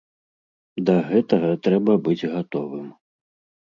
Да гэтага трэба быць гатовым.